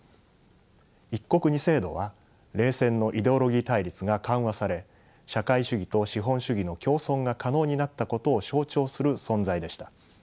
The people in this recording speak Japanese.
「一国二制度」は冷戦のイデオロギー対立が緩和され社会主義と資本主義の共存が可能になったことを象徴する存在でした。